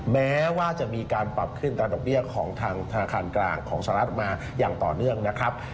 แม้ว่าจะมีการปรับขึ้นตามดอกเบี้ยของทางธนาคารกลางของสหรัฐออกมาอย่างต่อเนื่องนะครับ